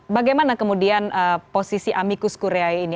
bagaimana kemudian posisi amicus querei ini